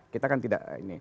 kita kan tidak